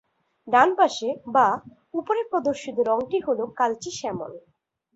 ডানপাশে বা উপরে প্রদর্শিত রঙটি হলো কালচে স্যামন।